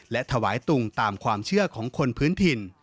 และถวายตุงตามความเชื่อของคนพื้นถิ่น